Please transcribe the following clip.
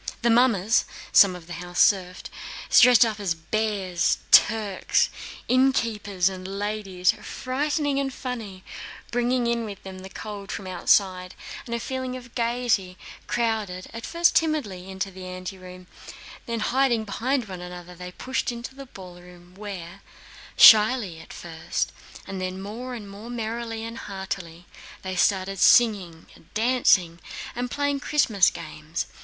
The mummers (some of the house serfs) dressed up as bears, Turks, innkeepers, and ladies—frightening and funny—bringing in with them the cold from outside and a feeling of gaiety, crowded, at first timidly, into the anteroom, then hiding behind one another they pushed into the ballroom where, shyly at first and then more and more merrily and heartily, they started singing, dancing, and playing Christmas games.